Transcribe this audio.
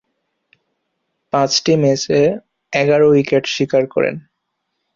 পাঁচটি ম্যাচে এগারো উইকেট শিকার করেন।